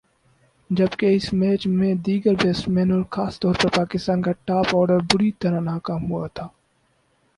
جبکہ اس میچ میں دیگر بیٹسمین اور خاص طور پر پاکستان کا ٹاپ آرڈر بری طرح ناکام ہوا تھا ۔